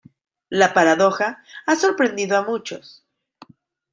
La paradoja ha sorprendido a muchos.